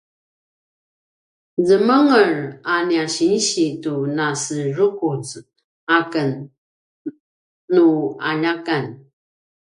zemenger a nia sinsi tu naserukuz aken nu aljakan